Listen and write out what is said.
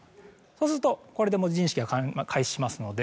そうするとこれで文字認識が開始しますので。